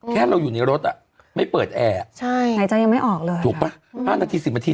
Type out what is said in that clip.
แค่เราอยู่ในรถอ่ะไม่เปิดแอร์หายใจยังไม่ออกเลยถูกป่ะ๕นาที๑๐นาที